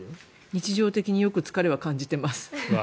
日常的によく疲れは感じています。